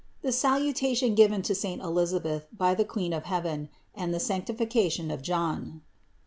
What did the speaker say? THE SALUTATION GIVEN TO SAINT ELISABETH BY THE QUEEN OF HEAVEN, AND THE SANCTIFICATION OF JOHN.